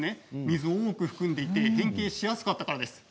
水を多く含んでいて変形しやすかったからです。